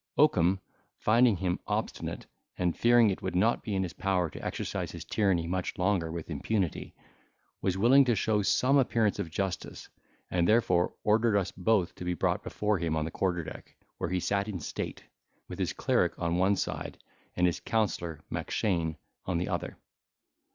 Oakum, finding him obstinate, and fearing it would not be in his power to exercise his tyranny much longer with impunity, was willing to show some appearance of justice and therefore ordered us both to be brought before him on the quarter deck, where he sat in state, with his cleric on one side, and his counsellor Mackshane on the other.